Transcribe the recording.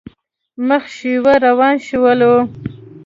مخ شېوه روان شولو.